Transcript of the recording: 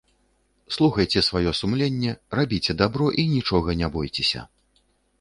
Слухайце сваё сумленне, рабіце дабро і нічога не бойцеся.